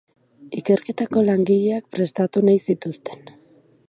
Ikerketarako langileak prestatu nahi zituzten.